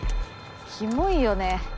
キモいよね。